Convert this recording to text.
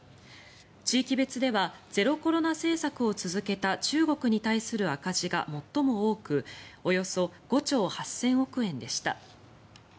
地域別ではゼロコロナ政策を続けた中国に対する赤字が最も多くおよそ５兆８０００億円でした。